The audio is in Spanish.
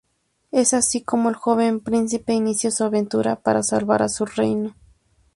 Es así como el joven príncipe inicia su aventura para salvar a su reino.